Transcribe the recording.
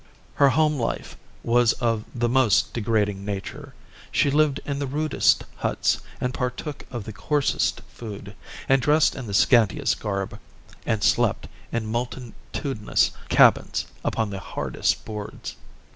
Her home life was of the most degrading nature. She lived in the rudest huts, and partook of the coarsest food, and dressed in the scantiest garb, and slept, in multitudinous cabins, upon the hardest boards.